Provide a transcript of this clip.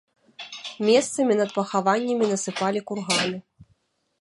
Месцамі над пахаваннямі насыпалі курганы.